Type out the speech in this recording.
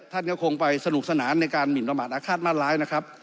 ท่านก็คงไปสนุกสนานในการหมินประมาทอาฆาตมาตร้ายนะครับ